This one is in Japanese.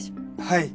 はい。